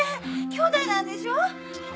兄弟なんでしょ？